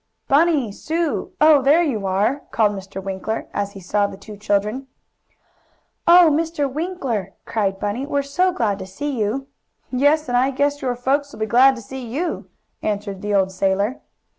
"Bunny! Sue! Oh, there you are!" called Mr. Winkler as he saw the two children. "Oh, Mr. Winkler!" cried Bunny. "We're so glad to see you!" "Yes, and I guess your folks will be glad to see YOU!" answered the old sailor.